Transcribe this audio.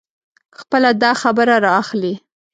خپله داخبره را اخلي.